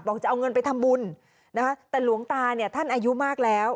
จะเอาเงินไปทำบุญนะคะแต่หลวงตาเนี่ยท่านอายุมากแล้ว